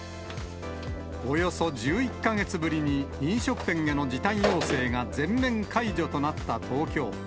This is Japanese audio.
およそ１１か月ぶりに飲食店への時短要請が全面解除となった東京。